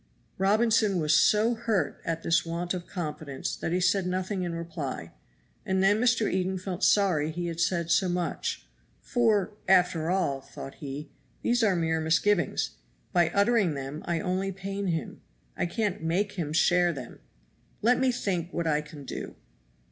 Robinson was so hurt at this want of confidence that he said nothing in reply, and then Mr. Eden felt sorry he had said so much, "for, after all," thought he, "these are mere misgivings; by uttering them I only pain him. I can't make him share them. Let me think what I can do."